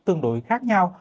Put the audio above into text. tương đối khác nhau